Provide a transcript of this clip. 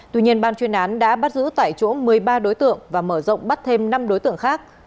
tuy nhiên ban chuyên án đã bắt giữ tại chỗ một mươi ba đối tượng và mở rộng bắt thêm năm đối tượng khác